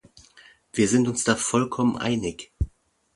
Wir sind uns da vollkommen einig.